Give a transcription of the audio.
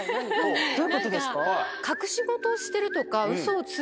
どういうことですか？